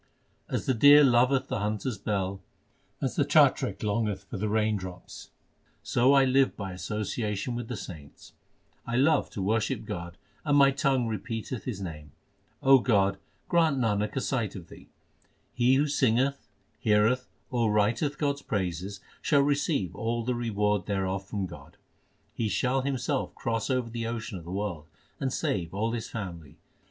As the deer loveth the hunter s bell, As the chatrik longeth for the rain drops, So I live by association with the saints. I love to worship God, And my tongue repeateth His name. O God, grant Nanak a sight of Thee. He who singeth, heareth, or writeth God s praises Shall receive all the reward thereof from God. He shall himself cross over the ocean of the world, And save all his family.